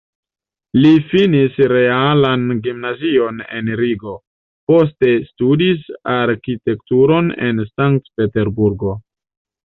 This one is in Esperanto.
Li finis realan gimnazion en Rigo, poste studis arkitekturon en Sankt-Peterburgo.